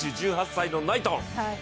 １７歳のナイトン。